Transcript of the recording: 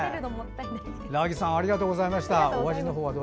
らぎさんさんありがとうございました。